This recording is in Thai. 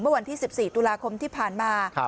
วันที่๑๔ตุลาคมที่ผ่านมา